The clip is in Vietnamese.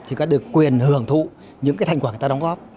thì có được quyền hưởng thụ những cái thành quả người ta đóng góp